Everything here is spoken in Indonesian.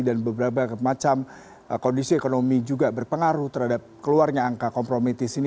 dan beberapa macam kondisi ekonomi juga berpengaruh terhadap keluarnya angka kompromisi ini